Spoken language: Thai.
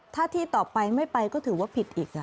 ถ้าที่ต่อไปไม่ไปก็ถือว่าผิดอีก